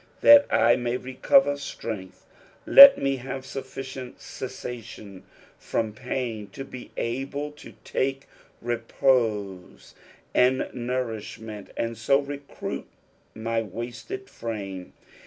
"That I may recover itrenglh." Let me have sufficient cessation from piJn, to be able to take repose and nourishment, and ao recruit my wasted frame.